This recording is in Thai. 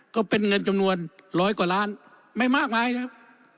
ก็เป็นเงินจำนวนร้อยกว่าล้านไม่มากมายนะครับ